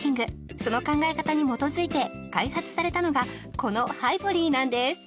その考え方に基づいて開発されたのがこのハイボリーなんです